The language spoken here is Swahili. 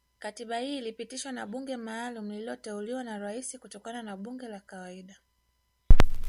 Katiba hii ilipitishwa na bunge maalumu lililoteuliwa na Rais kutokana na bunge la kawaida